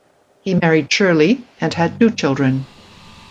He married Shirley and had two children.